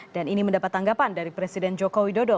dan ini mendapat tanggapan dari presiden joko widodo